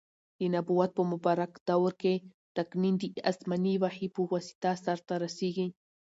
د نبوت په مبارکه دور کي تقنین د اسماني وحي په واسطه سرته رسیږي.